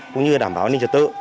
cũng như đảm bảo an ninh trật tự